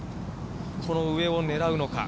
この上を狙うのか。